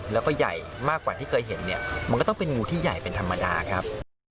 แล้วก็ใหญ่มากกว่าที่เคยเห็นเนี่ยมันก็ต้องเป็นงูที่ใหญ่เป็นธรรมดาครับ